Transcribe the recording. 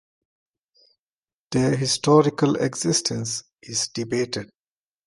Their historical existence is debated.